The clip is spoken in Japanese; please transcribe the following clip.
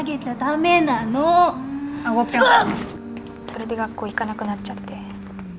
それで学校行かなくなっちゃって。